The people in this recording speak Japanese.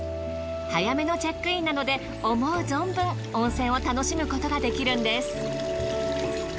早めのチェックインなので思う存分温泉を楽しむことができるんです。